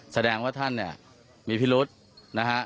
แสดงว่าท่านเนี่ยมีพิรุษนะฮะ